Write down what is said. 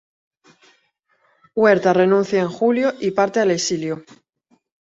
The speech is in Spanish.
Huerta renuncia en julio y parte al exilio.